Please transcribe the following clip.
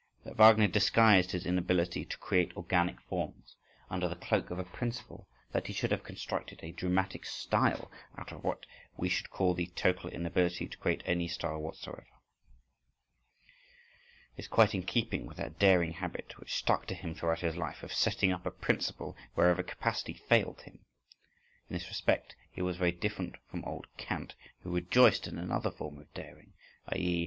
That Wagner disguised his inability to create organic forms, under the cloak of a principle, that he should have constructed a "dramatic style" out of what we should call the total inability to create any style whatsoever, is quite in keeping with that daring habit, which stuck to him throughout his life, of setting up a principle wherever capacity failed him. (In this respect he was very different from old Kant, who rejoiced in another form of daring, _i.e.